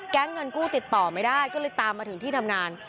เงินกู้ติดต่อไม่ได้ก็เลยตามมาถึงที่ทำงาน